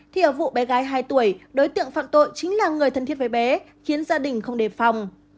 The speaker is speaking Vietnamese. thì ở vụ bé gái hai tuổi đối tượng phạm tội chính là người thân thiết với bé khiến gia đình không đề phòng